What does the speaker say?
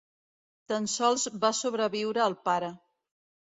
Tan sols va sobreviure el pare.